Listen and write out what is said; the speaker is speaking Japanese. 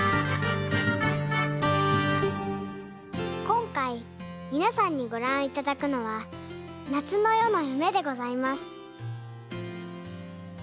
こんかいみなさんにごらんいただくのは「夏の夜の夢」でございます。